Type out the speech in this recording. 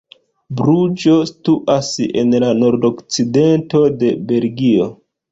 Bruĝo situas en la nordokcidento de Belgio.